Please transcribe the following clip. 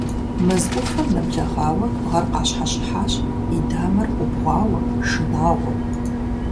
Мэз Ӏуфэм нэблэгъуауэ Бгъэр къащхьэщыхьащ, и дамэр убгъуауэ, шынагъуэу.